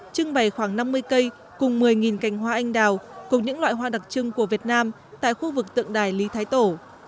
trưng bày khoảng năm mươi cây cùng một mươi cành hoa anh đào cùng những loại hoa đặc trưng của việt nam tại khu vực tượng đài lý thái tổ